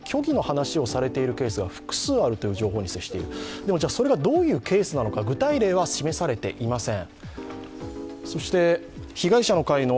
ただ、それがどういうケースなのか具体例は示されていません。